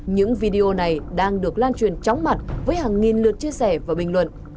những video này đang được lan truyền chóng mặt với hàng nghìn lượt chia sẻ và bình luận